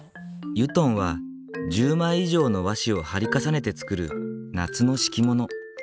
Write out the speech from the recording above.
油団は１０枚以上の和紙を貼り重ねて作る夏の敷物。